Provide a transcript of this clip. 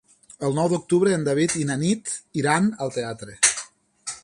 El nou d'octubre en David i na Nit iran al teatre.